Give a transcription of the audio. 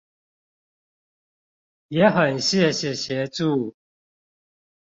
也很謝謝協助